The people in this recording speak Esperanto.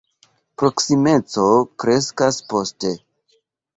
Proksimeco kreskas poste.